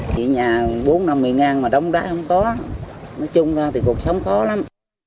nhị nhà bốn năm một mươi ngàn mà đống đá không có nói chung ra thì cuộc sống khó lắm